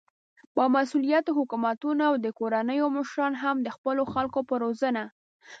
با مسؤليته حکومتونه او د کورنيو مشران هم د خپلو خلکو په روزنه